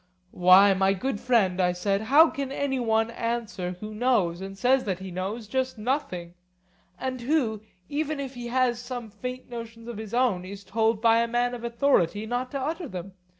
Why, my good friend, I said, how can any one answer who knows, and says that he knows, just nothing; and who, even if he has some faint notions of his own, is told by a man of authority not to utter them?